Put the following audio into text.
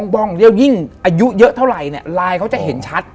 ป้องยิ่งอายุเยอะเท่าไหร่ลายเขาจะเห็นชัด